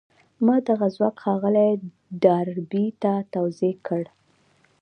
ما دغه ځواک ښاغلي ډاربي ته توضيح کړ.